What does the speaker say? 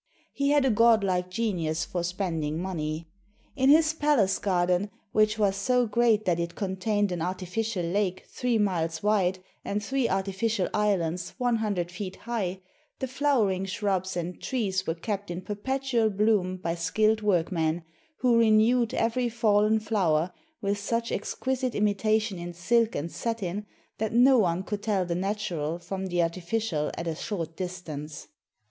He had a godlike genius for spending money. In his palace garden, which was so great that it contained an artificial lake three miles wide and three artificial islands one hundred feet high, the flowering shrubs and trees were kept in perpetual bloom by skilled workmen, who renewed every fallen flower with such exquisite imita tion in silk and satin that no one could tell the natural from the artificial at a short distance.